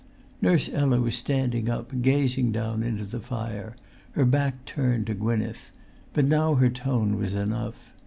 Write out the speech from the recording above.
Nurse Ella was standing up, gazing down into the fire, her back turned to Gwynneth; but now her tone was enough.